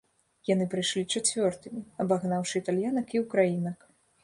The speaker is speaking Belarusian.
Яны прыйшлі чацвёртымі, абагнаўшы італьянак і ўкраінак.